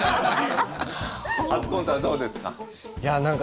初コントはどうですか？